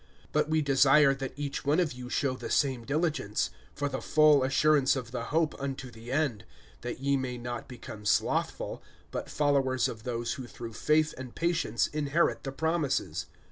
(11)But we desire that each one of you show the same diligence, for the full assurance of the hope unto the end; (12)that ye may not become slothful, but followers of those who through faith and patience inherit the promises.